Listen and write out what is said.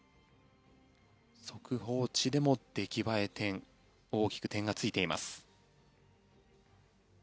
速報値でも出来栄え点大きく点がついています。